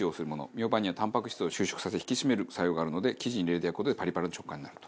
ミョウバンにはたんぱく質を収縮させ引き締める作用があるので生地に入れて焼く事でパリパリの食感になると。